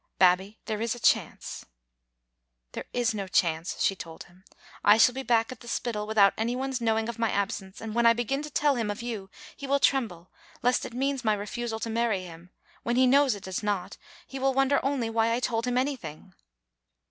Babbie, there is a chance." "There is no chance," she told him. "I shall be back at the Spittal without any one's knowing of my absence, and when I begin to tell him of you, he will tremble, lest it means my refusal to marry him ; when he knows it does not, he will wonder only why I told him anything."